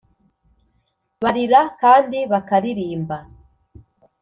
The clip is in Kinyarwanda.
Barira kandi bakaririmba